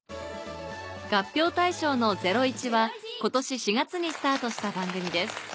合評対象の『ゼロイチ』は今年４月にスタートした番組です